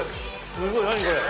すごい何これ。